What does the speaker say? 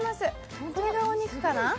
これがお肉かな？